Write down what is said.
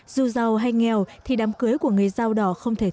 dù giàu hay nghèo thì đám cưới của người dao đỏ